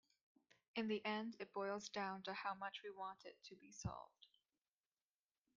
In the end it boils down to how much we want it to be solved.